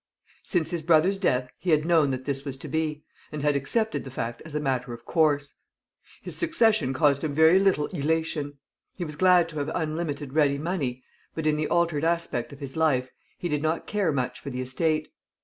Since his brother's death he had known that this was to be, and had accepted the fact as a matter of course. His succession caused him very little elation. He was glad to have unlimited ready money, but, in the altered aspect of his life, he did not care much for the estate.